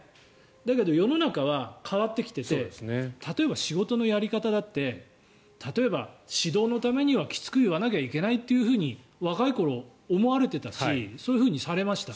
だけど世の中は変わってきていて例えば仕事のやり方だって例えば、指導のためにはきつく言わなければいけないというふうに若い頃、思われていたしそういうふうにされました。